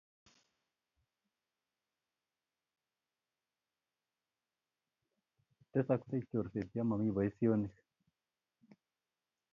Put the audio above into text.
Tesaksei chorset ya mami boisionik